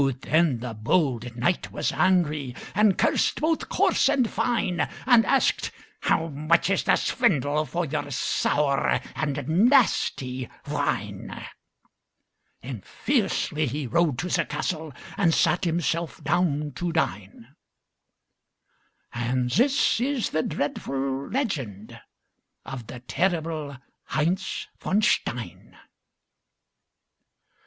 Oh, then the bold knight was angry, And cursed both coarse and fine; And asked, "How much is the swindle For your sour and nasty wine?" And fiercely he rode to the castle And sat himself down to dine; And this is the dreadful legend Of the terrible Heinz von Stein.